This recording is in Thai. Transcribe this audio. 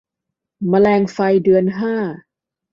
แมลงไฟเดือนห้า